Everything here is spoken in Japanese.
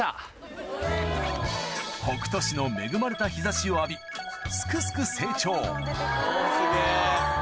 北杜市の恵まれた日差しを浴びすくすく成長おぉすげぇ。